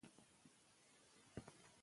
دا سیستمونه مېز پاکوي.